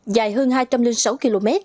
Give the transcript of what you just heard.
dài hơn hai trăm linh sáu km